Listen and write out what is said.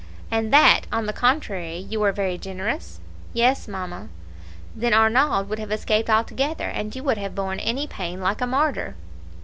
'' "'And that, on the contrary, you were very generous?' "'Yes, mamma.' "'Then Arnauld would have escaped altogether, and you would have borne any pain like a martyr?'